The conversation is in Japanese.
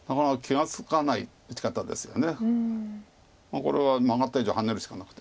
これはマガった以上ハネるしかなくて。